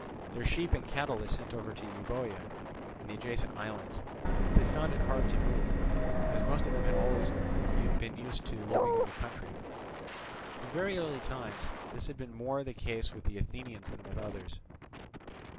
Their sheep and cattle they sent over to Euboea and the adjacent islands. But they found it hard to move, as most of them had been always used to live in the country. From very early times this had been more the case with the Athenians than with others.